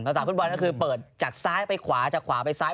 สาฟุตบอลก็คือเปิดจากซ้ายไปขวาจากขวาไปซ้าย